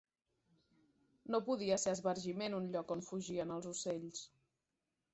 No podia ser esbargiment, un lloc on fugien els ocells